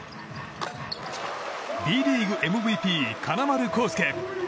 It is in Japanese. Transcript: ＢリーグＭＶＰ、金丸晃輔。